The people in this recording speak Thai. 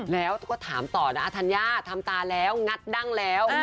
แล้วก็ถามต่อนะอาธัญญาทำตาแล้วงัดดั้งแล้ว